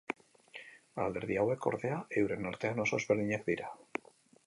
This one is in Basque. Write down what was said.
Alderdi hauek, ordea, euren artean oso ezberdinak dira.